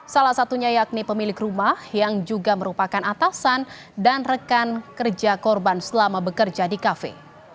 salah satunya yakni pemilik rumah yang juga merupakan atasan dan rekan kerja korban selama bekerja di kafe